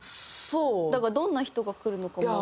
だからどんな人が来るのかも。